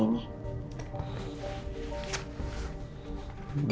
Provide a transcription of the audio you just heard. kita mau ninggalin kontrakan ini